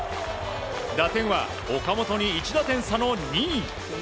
打点は岡本に１打点差の２位。